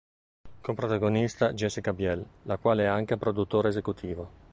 Con protagonista Jessica Biel, la quale è anche produttore esecutivo.